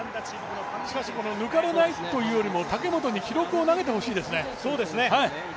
この抜かれないというよりも武本に記録を投げてほしいですね。